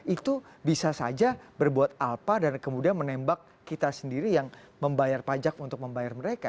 itu bisa saja berbuat alpa dan kemudian menembak kita sendiri yang membayar pajak untuk membayar mereka